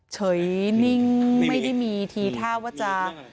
เฉยนิ่งไม่ได้มีทีท่าว่าจะ